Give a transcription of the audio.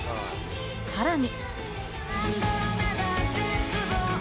さらに。